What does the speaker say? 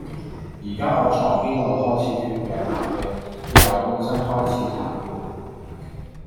宜家我左邊腦開始缺氧麻痺，右半身開始癱瘓